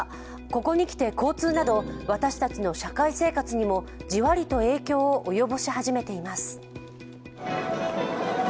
ここにきて、交通など私たちの社会生活にもじわりと影響を及ぼし始めています。